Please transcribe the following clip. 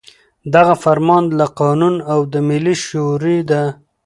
دغه فرمان له قانون او د ملي شـوري د